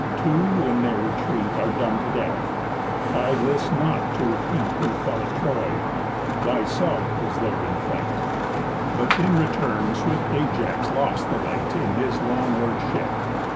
Two, in their retreat, Are done to death. I list not to repeat Who fell at Troy, thyself was there in fight, But in return swift Ajax lost the light, In his long oar'd ship.